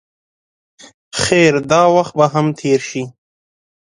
خیر دا وخت به هم تېر شي.